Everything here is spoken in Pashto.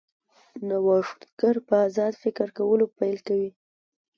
نوښتګر په ازاد فکر کولو پیل کوي.